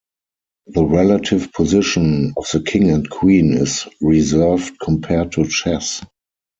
The relative position of the king and queen is reversed compared to chess.